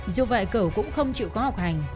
dù vậy cầu cũng không chịu có học hành